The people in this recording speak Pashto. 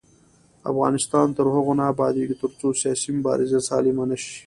افغانستان تر هغو نه ابادیږي، ترڅو سیاسي مبارزه سالمه نشي.